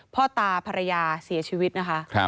พ่อตาภรรยาเสียชีวิตนะคะ